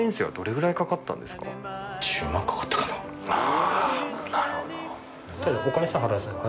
あなるほど。